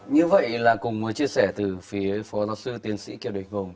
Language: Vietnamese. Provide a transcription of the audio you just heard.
như vậy là cùng chia sẻ từ phía phó giáo sư tiến sĩ kiều địch vùng